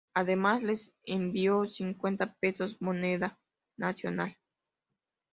Además les envió cincuenta pesos moneda nacional.